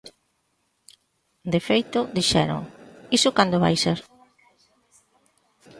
De feito, dixeron, ¿iso cando vai ser?